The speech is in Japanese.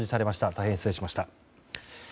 大変失礼しました。